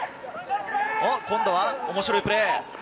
今度は面白いプレー。